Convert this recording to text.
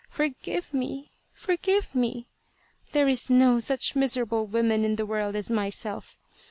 Forgive me, oh, forgive me ! There is no such miserable woman in the world as myself.